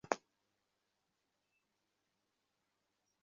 Virtual রিয়্যালিটিতে অনুকরণ করা পরিবেশ হুবহু বাস্তব পৃথিবীর মতো হতে পারে।